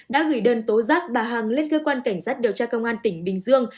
đã gửi đơn tố giác bà hằng lên cơ quan cảnh sát điều tra công an tỉnh bình dương